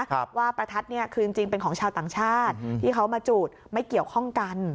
ว่าประทัดเนี่ยคือจริงจริงเป็นของชาวต่างชาติที่เขามาจุดไม่เกี่ยวข้องกัน